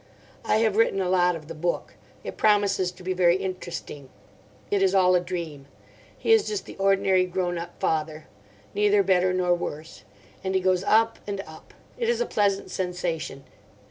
I have written a lot of the book. It promises to be very interesting. It is all a dream. He is just the ordinary grown up father. Neither better nor worse. And he goes up and up. It is a pleasant sensation.